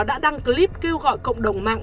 đã đăng clip kêu gọi cộng đồng mạng